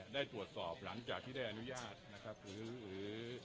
ได้ตรวจสอบหลังจากที่ได้อนุญาตนะครับหรือ